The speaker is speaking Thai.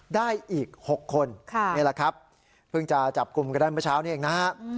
ได้อีก๖คนนี่แหละครับเพิ่งจะจับกลุ่มกันได้เมื่อเช้านี้เองนะฮะ